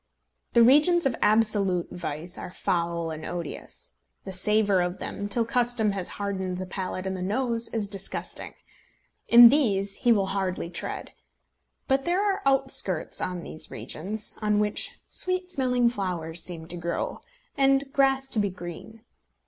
The regions of absolute vice are foul and odious. The savour of them, till custom has hardened the palate and the nose, is disgusting. In these he will hardly tread. But there are outskirts on these regions, on which sweet smelling flowers seem to grow, and grass to be green.